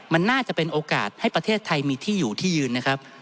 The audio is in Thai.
มันน่าจะเป็นโอกาสให้ประเทศไทยมีที่อยู่ที่ยืนนะครับ